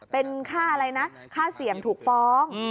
เป็นค่าอะไรนะค่าเสี่ยงถูกฟ้อง